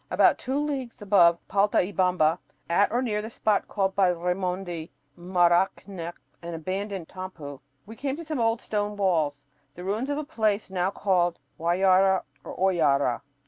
About two leagues above Paltaybamba, at or near the spot called by Raimondi "Maracnyoc," an "abandoned tampu," we came to some old stone walls, the ruins of a place now called Huayara or "Hoyara."